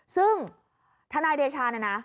ซึ่งทนายเดชาเนี่ยนะ